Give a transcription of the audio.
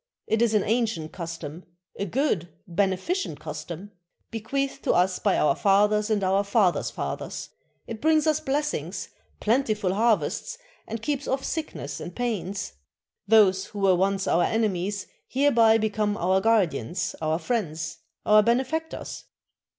It is an ancient custom, a good, beneficent custom, bequeathed to us by our fathers and our fathers' fathers; it brings us blessings, plentiful harvests, and keeps off sickness and pains. Those who were once our enemies hereby become our guardians, our friends, our benefactors."